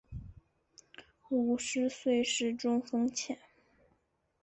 五十岁时中风前